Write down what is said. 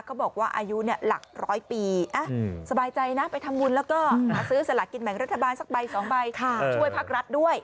ก็บอกว่าอายุเนี่ยหลักร้อยปีสบายใจนะไปทำวุลแล้วก็ซื้อสละกินแหม่งรัฐบาลสักใบสองใบช่วยพักรัฐด้วย